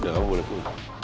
kamu boleh pulang